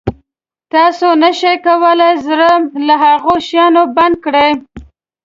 تاسو نه شئ کولای زړه له هغه شیانو بند کړئ.